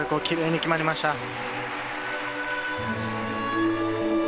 きれいに決まりました。